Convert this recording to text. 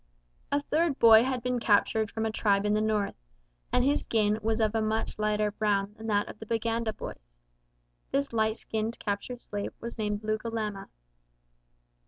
A third boy had been captured from a tribe in the north, and his skin was of a much lighter brown than that of the Baganda boys. This light skinned captured slave was named Lugalama.